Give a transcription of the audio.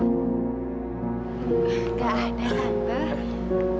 gak ada entar